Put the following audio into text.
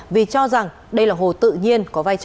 vì cho rằng đây là hồ tự nhiên có vai trò